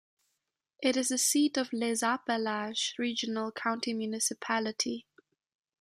It is the seat of Les Appalaches Regional County Municipality.